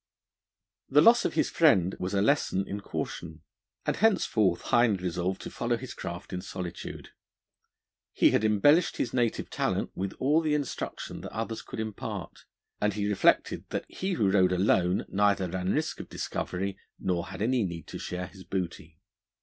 The loss of his friend was a lesson in caution, and henceforth Hind resolved to follow his craft in solitude. He had embellished his native talent with all the instruction that others could impart, and he reflected that he who rode alone neither ran risk of discovery nor had any need to share his booty.